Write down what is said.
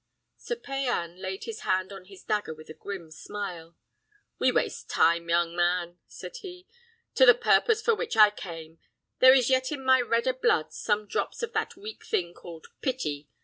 Sir Payan laid his hand on his dagger with a grim smile. "We waste time, young man," said he: "to the purpose for which I came! There is yet in my redder blood some drops of that weak thing called pity.